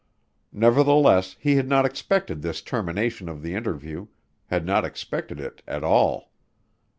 Nevertheless he had not expected this termination of the interview, had not expected it at all.